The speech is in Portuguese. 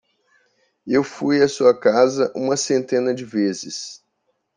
Eu fui a sua casa uma centena de vezes.